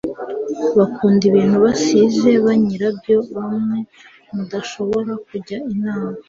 bakunda ibintu basize banyirabyo bamwe mudashobora kujya inama